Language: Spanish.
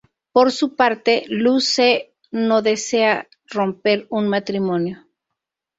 Por su parte, Luce no desea romper un matrimonio.